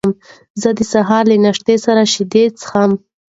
زه د سهار له ناشتې سره شیدې څښم.